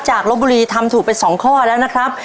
ลบบุรีทำถูกไป๒ข้อแล้วนะครับ